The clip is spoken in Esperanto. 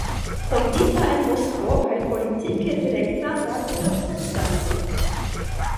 Fondita en Moskvo kaj politike direktata de Josef Stalin.